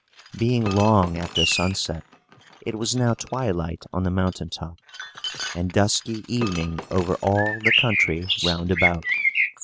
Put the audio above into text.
Being long after sunset, it was now twilight on the mountain top, and dusky evening over all the country round about.